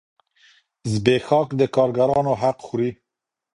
زبېښاک د کارګرانو حق خوري.